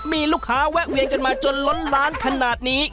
มีลูกค้าแวะเวียนกันมาจนล้นล้านขนาดนี้